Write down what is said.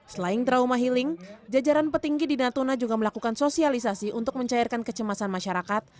selain trauma healing jajaran petinggi di natuna juga melakukan sosialisasi untuk mencairkan kecemasan masyarakat